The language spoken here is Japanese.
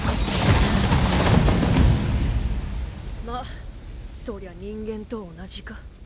まあそりゃ人間と同じか。